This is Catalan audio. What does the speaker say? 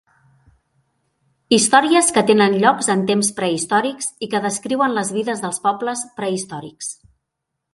Històries que tenen llocs en temps prehistòrics i que descriuen les vides dels pobles prehistòrics.